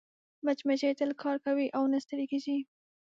مچمچۍ تل کار کوي او نه ستړې کېږي